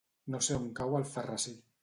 No sé on cau Alfarrasí.